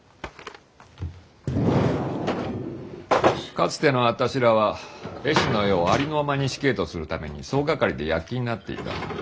かつてのあたしらは絵師の絵をありのまま錦絵とするために総がかりで躍起になっていた。